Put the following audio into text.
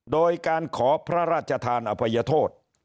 โดยการขอพระราชทานอภัยโทษ